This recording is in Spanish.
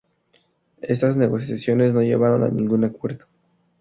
Estas negociaciones no llevaron a ningún acuerdo.